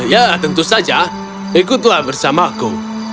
ya tentu saja ikutlah bersamaku